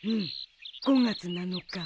５月７日。